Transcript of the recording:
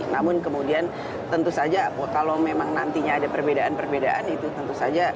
namun kemudian tentu saja kalau memang nantinya ada perbedaan perbedaan itu tentu saja